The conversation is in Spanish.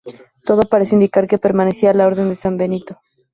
Todo parece indicar que pertenecía a la orden de San Benito.